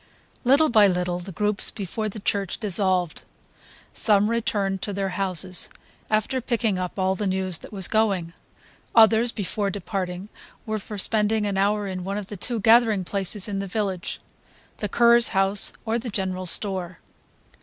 Little by little the groups before the church dissolved. Some returned to their houses, after picking up all the news that was going; others, before departing, were for spending an hour in one of the two gathering places of the village; the curé's house or the general store.